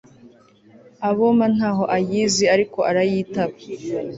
aboma ntaho ayizi ariko arayitaba